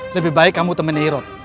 lebih baik kamu temen irot